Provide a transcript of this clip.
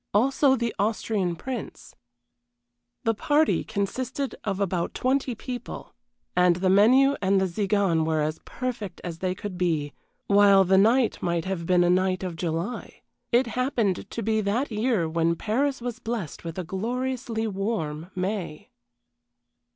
Also the Austrian Prince. The party consisted of about twenty people and the menu and the Tziganes were as perfect as they could be, while the night might have been a night of July it happened to be that year when Paris was blessed with a gloriously warm May.